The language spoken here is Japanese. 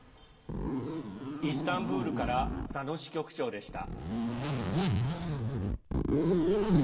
イスタンブールから佐野支局長でした。